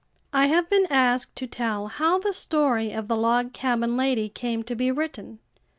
I have been asked to tell how the story of The Log Cabin Lady came to be written.